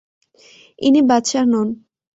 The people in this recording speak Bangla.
ইনি বাদশাহ নন।